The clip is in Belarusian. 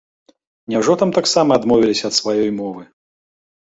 Няўжо там таксама адмовіліся ад сваёй мовы?